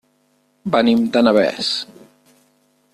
Venim de Navès.